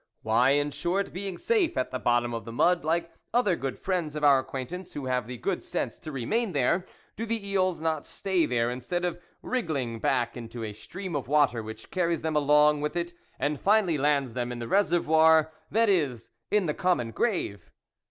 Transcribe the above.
Why, in short, being safe at the bottom of the mud, like other good friends of our acquaintance who have the good sense to remain there, do the eels not stay there, instead of wriggling back into a stream of water, which carries them along with it, and finally lands them in the reservoir, that is in the common grave